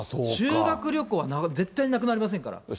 修学旅行は絶対になくなりませんから。